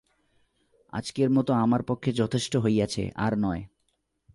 আজকের মতো আমার পক্ষে যথেষ্ট হইয়াছে, আর নয়।